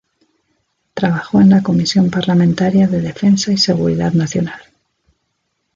Trabajó en la Comisión Parlamentaria de Defensa y Seguridad Nacional.